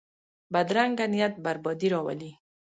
بدرنګه نیت بربادي راولي